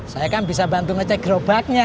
saya kan bisa bantu ngecek gerobaknya